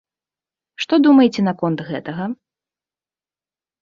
Што думаеце наконт гэтага?